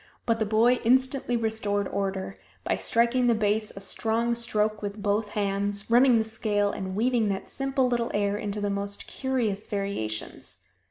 But the boy instantly restored order by striking the bass a strong stroke with both hands, running the scale, and weaving that simple little air into the most curious variations.